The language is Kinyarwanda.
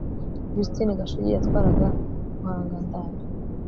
yustini gashugi yatwaraga buhanga-ndara